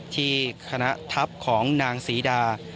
ที่คณะทัพของนางศรีดา